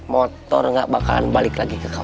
motor gak bakalan balik lagi ke kamu